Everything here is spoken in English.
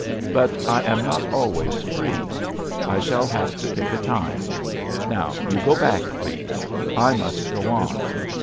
But I am not always free. I shall have to pick a time. Now, you go back, please. I must go on.